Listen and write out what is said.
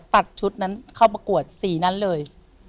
ตัดชุดนั้นเข้าประกวดสีนั้นเลย